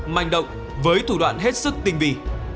manh động với thủ đoạn hết sức tinh bì